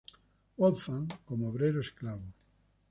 Wolfgang, como obrero esclavo.